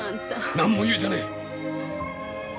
何も言うじゃねえ！